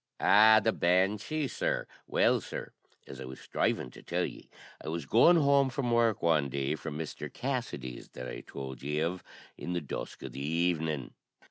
Aw, the banshee, sir? Well, sir, as I was striving to tell ye, I was going home from work one day, from Mr. Cassidy's that I tould ye of, in the dusk o' the evening.